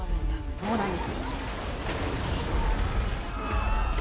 そうなんです。